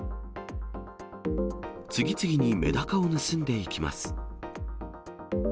次々にめだかを盗んでいきます。